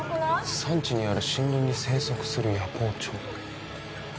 「山地にある森林に生息する夜行鳥」。